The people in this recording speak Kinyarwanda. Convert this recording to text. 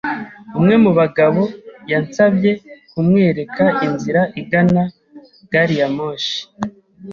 Umwe mu bagabo yansabye kumwereka inzira igana gariyamoshi.